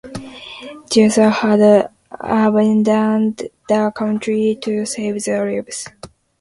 The others had abandoned the country to save their lives.